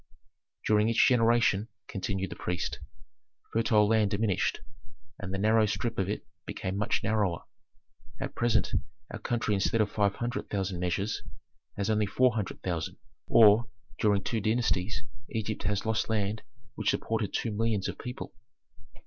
"During each generation," continued the priest, "fertile land diminished, and the narrow strip of it became much narrower. At present our country instead of five hundred thousand measures has only four hundred thousand or during two dynasties Egypt has lost land which supported two millions of people."